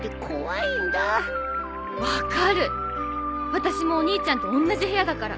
私もお兄ちゃんと同じ部屋だから。